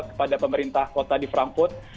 kepada pemerintah kota di frankfurt